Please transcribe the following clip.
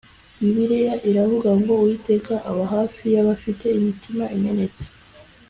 Bibiliya iravuga ngo "Uwiteka aba hafi y’abafite imitima imenetse